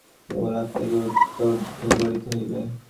কেবল আত্মাকে উদ্বুদ্ধ করিতে হইবে।